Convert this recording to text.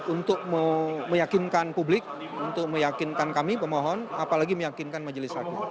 untuk meyakinkan publik untuk meyakinkan kami pemohon apalagi meyakinkan majelis hakim